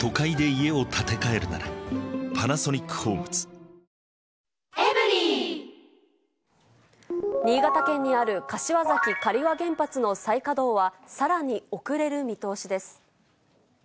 大体２０％から２５％は、新潟県にある柏崎刈羽原発の再稼働はさらに遅れる見通しです。